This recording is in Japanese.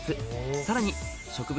さらに植物